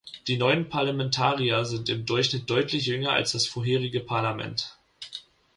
Die neuen Parlamentarier sind im Durchschnitt deutlich jünger als das vorherige Parlament.